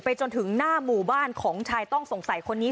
จนถึงหน้าหมู่บ้านของชายต้องสงสัยคนนี้